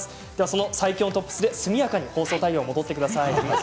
その最強トップスで速やかに放送対応に戻ってください。